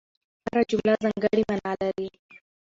هره جمله ځانګړې مانا لري.